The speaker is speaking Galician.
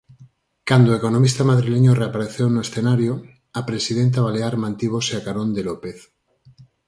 Cando o economista madrileño reapareceu no escenario, a presidenta balear mantívose a carón de López.